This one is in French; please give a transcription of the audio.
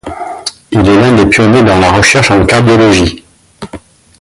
Il est l'un des pionniers dans la recherche en cardiologie.